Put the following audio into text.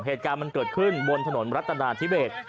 เหตุการณ์มันเกิดขึ้นบนถนนรัตนาธิเบส